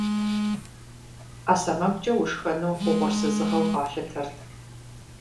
Ӏэ сэмэгукӀэ ушхэну угъурсызыгъэу къалъытэрт.